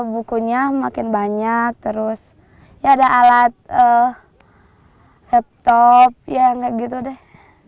bukunya makin banyak terus ya ada alat laptop ya nggak gitu deh